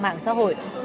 mạng xã hội